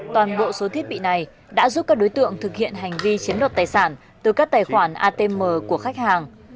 toàn bộ số thiết bị này đã giúp các đối tượng thực hiện hành vi chiếm đoạt tài sản từ các tài khoản atm của khách hàng